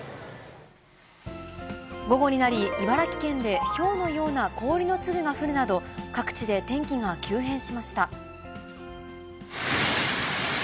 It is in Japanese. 午後になり、茨城県でひょうのような氷の粒が降るなど、各地で天気が急変しました。